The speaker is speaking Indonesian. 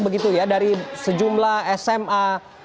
begitu ya dari sejumlah sma